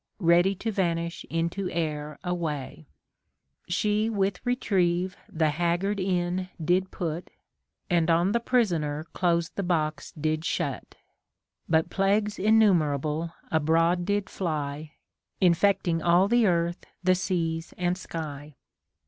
807 Ready to vanish into air away ; She with retrieve tlie haggard in did put, And on the prisoner close the box did shut ; But plagues innumerable abroad did fly, Infecting all the earth, the seas, and sky.